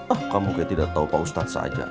ah kamu kayak tidak tahu pak ustadz saja